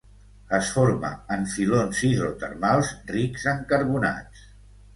Es forma en filons hidrotermals rics en carbonats.